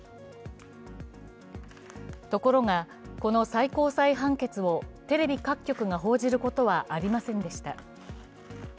ところが、この最高裁判決をテレビ各局が報じることはありませんでした。